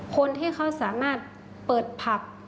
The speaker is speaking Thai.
คนที่เขาสามารถเปิดผับ